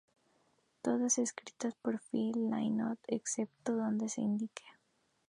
Todas escritas por Phil Lynott, excepto donde se indique.